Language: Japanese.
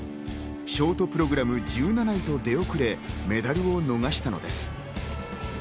ショートプログラム１７位と出遅れ、メダルを逃したのです。